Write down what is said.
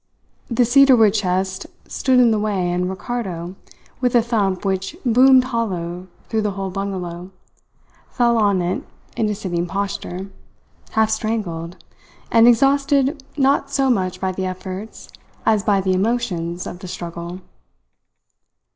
The cedar wood chest stood in the way, and Ricardo, with a thump which boomed hollow through the whole bungalow, fell on it in a sitting posture, half strangled, and exhausted not so much by the efforts as by the emotions of the struggle.